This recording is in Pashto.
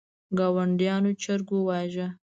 ګاونډیانو چرګ وواژه.